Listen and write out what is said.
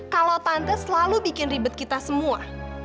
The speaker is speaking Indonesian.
kalau tante selalu bikin ribet kita semua